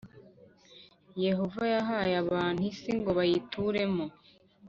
Yehova yahaye abantu isi ngo bayituremo